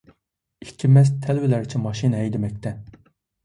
ئىككى مەست تەلۋىلەرچە ماشىنا ھەيدىمەكتە.